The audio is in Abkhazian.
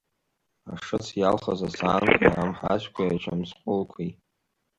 Ашыц иалхыз асаанқәеи, амҳаҵәқәеи, ачамсҟәылқәеи.